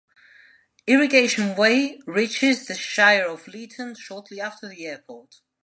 Irrigation Way reaches the Shire of Leeton shortly after the airport.